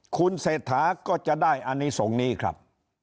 คุณเศรษฐาก็จะได้อณิสงฆ์นี้ครับ